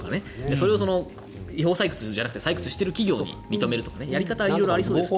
それを違法採掘じゃなくて採掘している企業に認めるとかやり方はありそうですけどね。